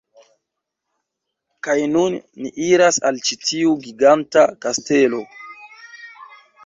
Kaj nun ni iras al ĉi tiu giganta kastelo